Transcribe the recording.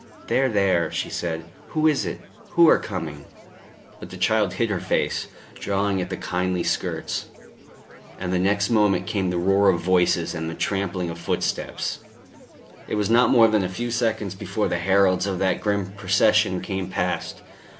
"There, there," she said. "Who is it? Who are coming?" But the child hid her face, drawing at the kindly skirts; and the next moment came the roar of voices and the trampling of footsteps. It was not more than a few seconds before the heralds of that grim procession came past.